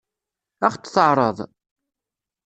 Ad ɣ-t-teɛṛeḍ?